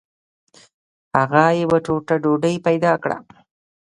هغه یوه ټوټه ډوډۍ پیدا کړه.